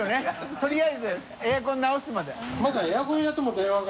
とりあえずエアコン直すまで。